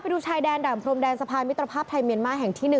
ดูชายแดนด่านพรมแดนสะพานมิตรภาพไทยเมียนมาร์แห่งที่๑